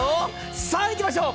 さあ、行きましょう。